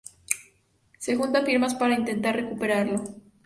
Se juntan firmas para intentar recuperarlo.